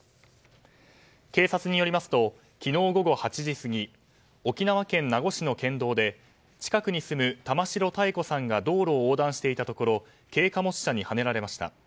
警察によりますと昨日午後８時過ぎ沖縄県名護市の県道で近くに住む玉城多恵子さんが道路を横断していたところ軽貨物車にはねられました。